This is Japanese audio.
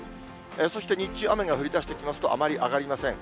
そして日中、雨が降りだしてきますと、あまり上がりません。